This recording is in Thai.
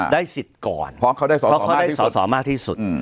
สิทธิ์ก่อนเพราะเขาได้สอสอมากที่สุด